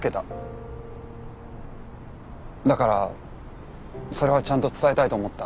だからそれはちゃんと伝えたいと思った。